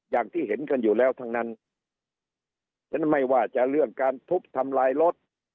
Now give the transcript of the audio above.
อย่างที่เห็นกันอยู่แล้วทั้งนั้นฉะนั้นไม่ว่าจะเรื่องการทุบทำลายรถ